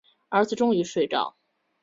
儿子终于睡着